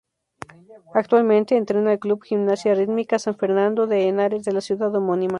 Actualmente entrena al Club Gimnasia Rítmica San Fernando de Henares de la ciudad homónima.